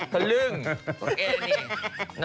เขลึ่ง